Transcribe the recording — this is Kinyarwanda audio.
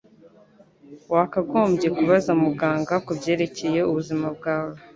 Wakagombye kubaza muganga kubyerekeye ubuzima bwawe.